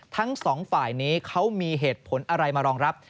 ทั้งสองฝ่ายนี้เขามีเหตุผลอะไรมารองรับ